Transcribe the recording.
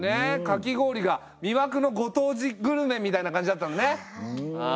かき氷が魅惑のご当地グルメみたいな感じだったのね。